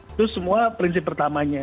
itu semua prinsip pertamanya